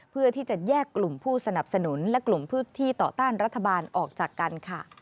เพื่อที่จะแยกกลุ่มผู้สนับสนุนและกลุ่มพื้นที่ต่อต้านรัฐบาลออกจากกันค่ะ